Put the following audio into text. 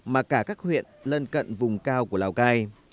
mà cả các huyện lân cận vùng cao của lào cai